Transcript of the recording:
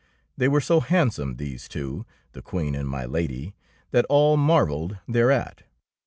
They were so handsome, these two, the Queen and my Lady, that all marvelled thereat.